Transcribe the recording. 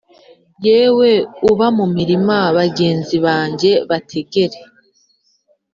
Yewe uba mu mirima Bagenzi banjye bategere